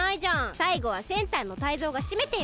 最後はセンターのタイゾウがしめてよ！